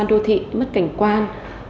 lần chiếm đô thị mất cảnh quan